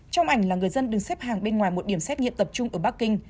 trong ảnh là người dân đứng xếp hàng bên ngoài một điểm xét nghiệm tập trung ở bắc kinh